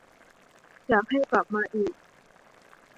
อยากให้กลับมาอีก